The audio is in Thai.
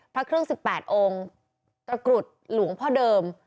พระเครื่อง๑๘องค์ประกุรติ๑สรดจากลูงพ่อเดิม